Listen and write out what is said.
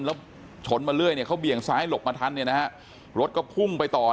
แล้วชนมาเรื่อยเขาเบี่ยงซ้ายหลบมาทันรถก็พุ่งไปต่อ